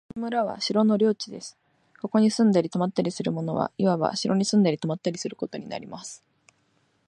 この村は城の領地です。ここに住んだり泊ったりする者は、いわば城に住んだり泊ったりすることになります。